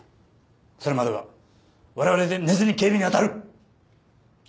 それまではわれわれで寝ずに警備に当たる。